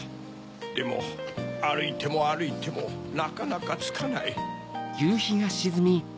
でもあるいてもあるいてもなかなかつかない。